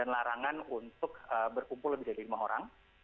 larangan untuk berkumpul lebih dari lima orang